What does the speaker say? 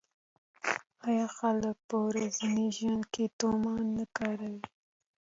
آیا خلک په ورځني ژوند کې تومان نه کاروي؟